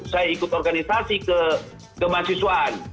saya ikut organisasi ke mahasiswaan